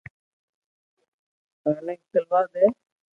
ايني کلوا دي